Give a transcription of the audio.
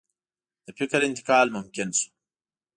د فکر انتقال ممکن شو.